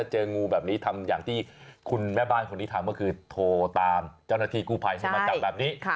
เจองูแบบนี้ทำอย่างที่คุณแม่บ้านคนนี้ทำก็คือโทรตามเจ้าหน้าที่กู้ภัยให้มาจับแบบนี้